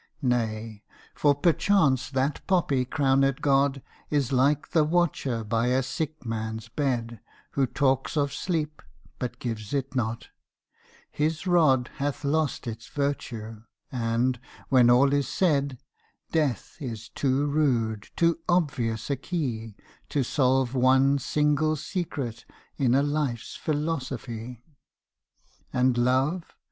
Nay! for perchance that poppy crownèd god Is like the watcher by a sick man's bed Who talks of sleep but gives it not; his rod Hath lost its virtue, and, when all is said, Death is too rude, too obvious a key To solve one single secret in a life's philosophy. And Love!